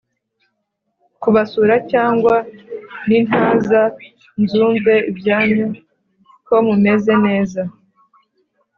kubasura cyangwa nintaza nzumve ibyanyu ko mumez neza